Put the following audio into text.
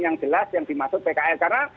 yang jelas yang dimaksud pkl karena